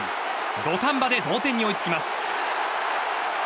土壇場で同点に追いつきます。